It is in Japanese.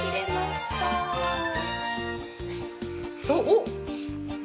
そう。